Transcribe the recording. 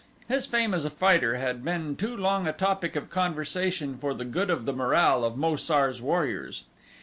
His fame as a fighter had been too long a topic of conversation for the good of the morale of Mo sar's warriors.